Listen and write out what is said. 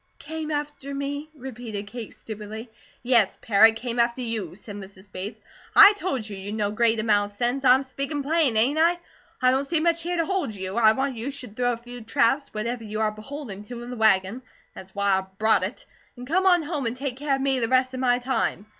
"Came after me?" repeated Kate stupidly. "Yes, parrot, 'came after you,'" said Mrs. Bates. "I told you, you'd no great amount of sense. I'm speakin' plain, ain't I? I don't see much here to hold you. I want you should throw a few traps, whatever you are beholden to, in the wagon that's why I brought it and come on home and take care of me the rest of my time.